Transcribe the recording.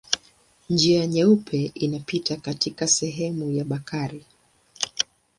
Njia Nyeupe inapita katika sehemu ya Bakari.